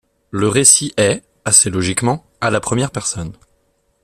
Le récit est, assez logiquement, à la première personne.